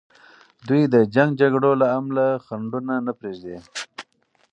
دوی د جنګ جګړو له امله خنډونه نه پریږدي.